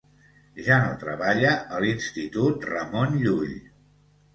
Ja no treballa a l'Institut Ramon Llull.